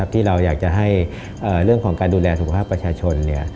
ที่เราอยากจะให้เรื่องของการดูแลสุขภาพประชาชน